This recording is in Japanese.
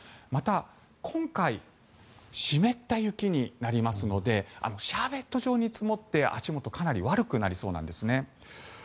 また、今回湿った雪になりますのでシャーベット状に積もって足元がかなり悪くなりそうなんですね。